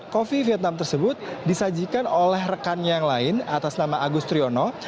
coffee vietnam tersebut disajikan oleh rekan yang lain atas nama agustriyono